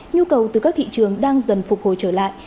nhu cầu từ các thị trường đang dần phục hồi trở lại